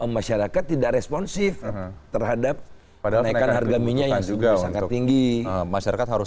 masyarakat tidak responsif terhadap padahal naikkan harganya yang juga sangat tinggi masyarakat harus